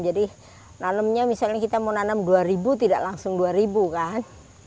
jadi nanemnya misalnya kita mau nanem dua ribu tidak langsung dua ribu kan